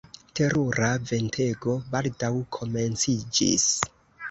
Terura ventego baldaŭ komenciĝis.